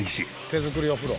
手作りお風呂。